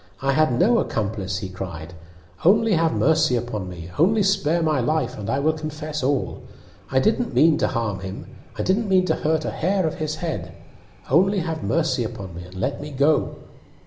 "I had no accomplice!" he cried, "Only have mercy upon me only spare my life, and I will confess all! I didn't mean to harm him! I didn't mean to hurt a hair of his head! Only have mercy upon me, and let me go!"